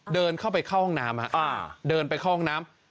เดินเข้าไปเข้าห้องน้ำเดินไปเข้าห้องน้ำ